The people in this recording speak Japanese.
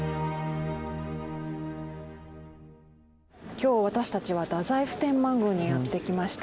今日私たちは太宰府天満宮にやって来ました。